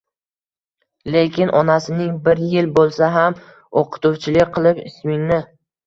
Lekin onasining bir yil bo'lsa ham o'qituvchilik qilib ismingni